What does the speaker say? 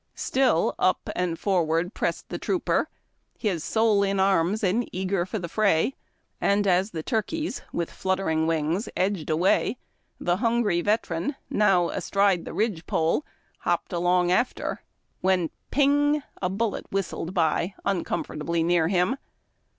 Still up and forward pressed the trooper, his " soul in arms and eager for the fray," and as the turkeys with fluttering wings edged away, the hungry veteran, now astride the ridge pole, hopped along after, when pin(/ ! a bullet whistled by uncomfortably near him.